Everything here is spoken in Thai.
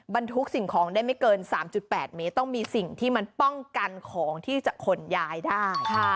บรรทุกสิ่งของได้ไม่เกิน๓๘เมตรต้องมีสิ่งที่มันป้องกันของที่จะขนย้ายได้